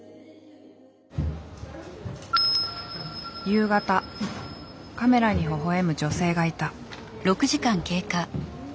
夕方カメラにほほ笑む女性がいた。